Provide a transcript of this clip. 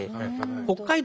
北海道